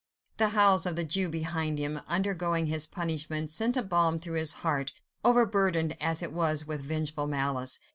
The howls of the Jew behind him, undergoing his punishment, sent a balm through his heart, overburdened as it was with revengeful malice.